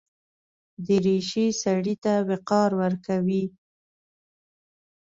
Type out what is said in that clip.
دریشي سړي ته وقار ورکوي.